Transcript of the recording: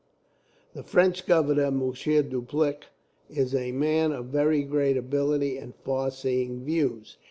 The French governor, Monsieur Dupleix, is a man of very great ability, and far seeing views.